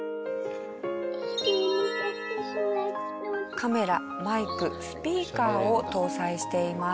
カメラマイクスピーカーを搭載しています。